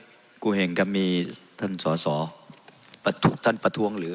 เดี๋ยวท่านกูเห็นกับมีท่านสอท่านประท้วงเหลือ